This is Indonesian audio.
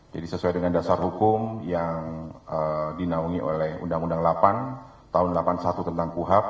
jadi sesuai dengan dasar hukum yang dinaungi oleh undang undang delapan tahun delapan puluh satu tentang kuhap